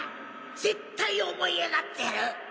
絶対思い上がってる！